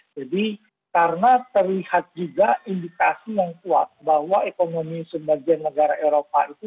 jadi karena terlihat juga indikasi yang kuat bahwa ekonomi sebagian negara eropa itu